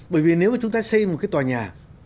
bởi vì nếu mà chúng ta xây một cái tòa nhà